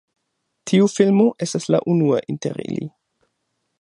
Tiu filmo estas la unua inter ili.